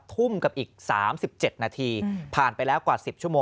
ทุ่มกับอีก๓๗นาทีผ่านไปแล้วกว่า๑๐ชั่วโมง